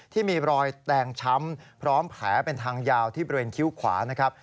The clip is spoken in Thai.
ที่มีรอยแตงช้ำพร้อมแผลเป็นทางยาวที่บริเวณคิ้วขวานะครับ